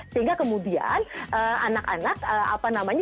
sehingga kemudian anak anak apa namanya